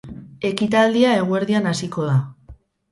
Ekitaldia eguerdian hasiko da.